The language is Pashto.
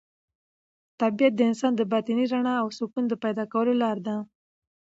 طبیعت د انسان د باطني رڼا او سکون د پیدا کولو لاره ده.